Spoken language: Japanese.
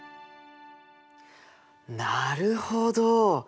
なるほど。